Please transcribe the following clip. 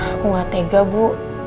aku gak tega bu